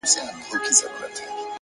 د پوهې خزانه نه کمېږي,